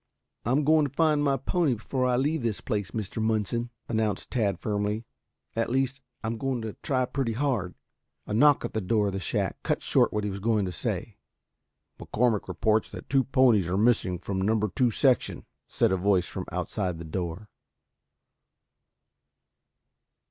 "I'm going to find my pony before I leave this place, Mr. Munson," announced Tad firmly. "At least I am going to try pretty hard " A knock on the door of the shack cut short what he was going to say. "McCormick reports that two ponies are missing from number two section," said a voice outside the door.